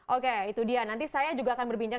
oke itu dia nanti saya juga akan berbincang